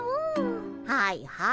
はいはい。